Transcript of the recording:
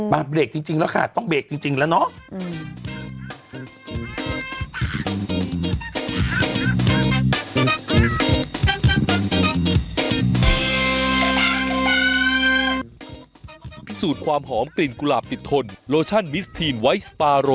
เบรกจริงแล้วค่ะต้องเบรกจริงแล้วเนาะ